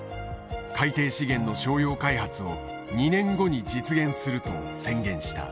海底資源の商用開発を２年後に実現すると宣言した。